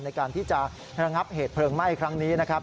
ในการที่จะระงับเหตุเพลิงไหม้ครั้งนี้นะครับ